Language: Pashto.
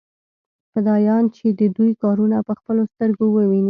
فدايان چې د دوى کارونه په خپلو سترګو وويني.